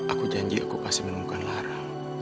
aku janji aku pasti menemukan larang